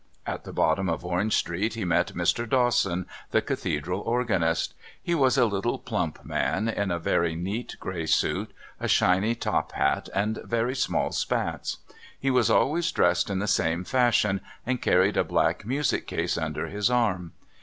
At the bottom of Orange Street he met Mr. Dawson, the Cathedral Organist; he was a little, plump man, in a very neat grey suit, a shiny top hat, and very small spats. He was always dressed in the same fashion, and carried a black music case under his arm.